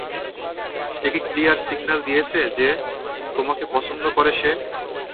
সে কি clear signal দিয়েছে যে, তোমাকে পছন্দ করে সে?